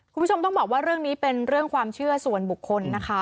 คุณผู้ชมต้องบอกว่าเรื่องนี้เป็นเรื่องความเชื่อส่วนบุคคลนะคะ